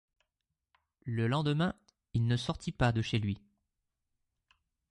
Le lendemain, il ne sortit pas de chez lui.